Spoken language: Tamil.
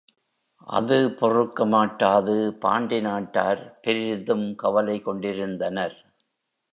அது பொறுக்க மாட்டாது பாண்டி நாட்டார் பெரிதும் கவலைகொண்டிருந்தனர்.